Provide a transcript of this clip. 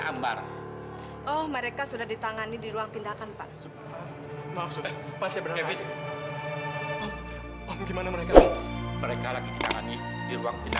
sampai jumpa di video selanjutnya